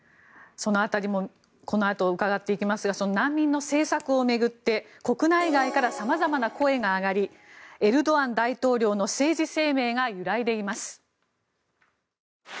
その辺りもこのあと伺っていきますが難民の政策を巡って国内外から様々な声が上がりエルドアン大統領の政治生命が揺らいでいます。